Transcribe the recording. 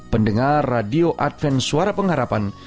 pendengar radio adven suara pengharapan